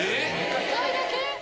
２回だけ！？